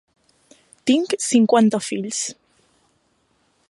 Tinc cinquanta fills.